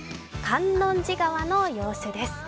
観音寺川の様子です。